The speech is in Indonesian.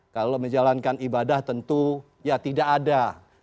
kalau menjalankan ibadah tentu ya tidak ada